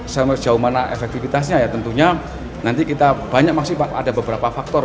saya mau jauh mana efektifitasnya ya tentunya nanti kita banyak masih ada beberapa faktor